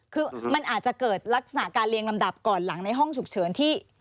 คือมันอาจจะเกิดลักษณะการเรียงลำดับก่อนหลังในห้องฉุกเฉินที่